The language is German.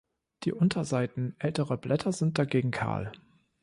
Die Unterseiten älterer Blätter sind dagegen kahl.